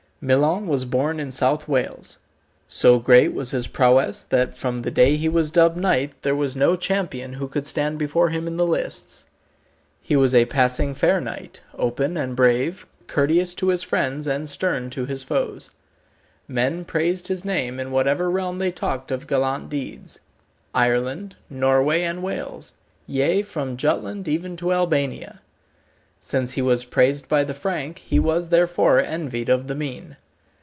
Milon was born in South Wales. So great was his prowess that from the day he was dubbed knight there was no champion who could stand before him in the lists. He was a passing fair knight, open and brave, courteous to his friends, and stern to his foes. Men praised his name in whatever realm they talked of gallant deeds Ireland, Norway, and Wales, yea, from Jutland even to Albania. Since he was praised by the frank, he was therefore envied of the mean.